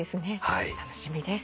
楽しみです。